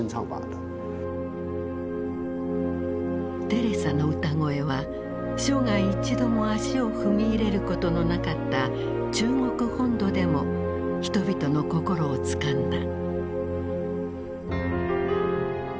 テレサの歌声は生涯一度も足を踏み入れることのなかった中国本土でも人々の心をつかんだ。